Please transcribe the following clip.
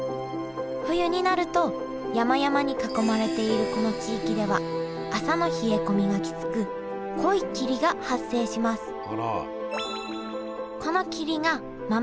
冬になると山々に囲まれているこの地域では朝の冷え込みがきつく濃い霧が発生します